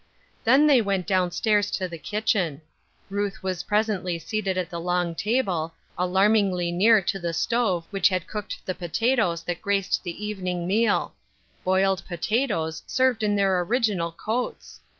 Then they went down stairs to the kitchen ! Ruth was presently seated at the long table, alarmingly near to the stove which had cooked the potatoes that graced the evening meal — boiled potatoes, served in their original coats